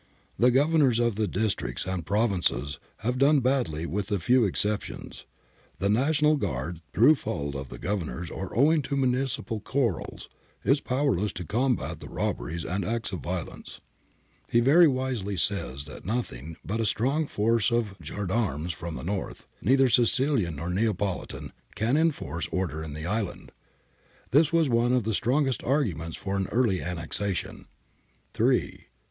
The Governors of the districts and provinces have done badly with a few exceptions. The National Guard, through fault of the Governors or owing to municipal quarrels, is powerless to combat the robberies and acts of violence.' He very wisely says that nothing but a strong force of gens d'armes from the North, ' neither Sicilian nor Neapolitan,' can enforce order in the island ; this was one of the strongest argu ments for an early annexation {Amari, ii.